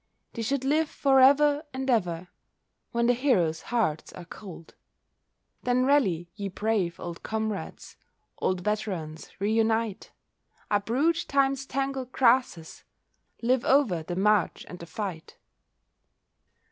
They should live for ever and ever, When the heroes' hearts are cold. Then rally, ye brave old comrades, Old veterans, reunite! Uproot Time's tangled grasses— Live over the march, and the fight.